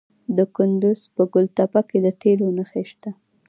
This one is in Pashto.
د کندز په ګل تپه کې د تیلو نښې شته.